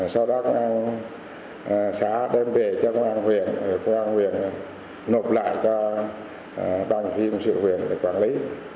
sau đó xã đem về cho công an huyện rồi công an huyện nộp lại cho ban phim sự huyện để quản lý